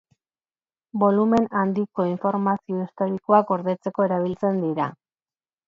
Bolumen handiko informazio historikoa gordetzeko erabiltzen dira.